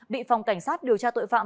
bị phòng cảnh sát điều tra tội phạm